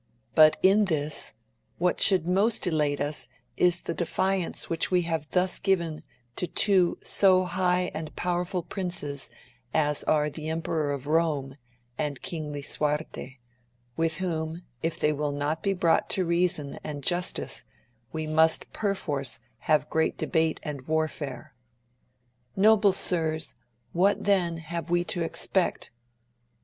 But in this, what should most elate us is the defiance which we have thus given to two so high and powerful princes as are the Emperor of Rome and King Lisuarte, with whom, if they will not be brought to reason and justice we must perforce have great debate and warfare. Noble sirs, what then have we to ex pect